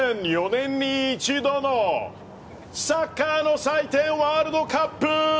４年に１度のサッカーの祭典ワールドカップ。